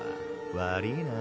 悪ぃな。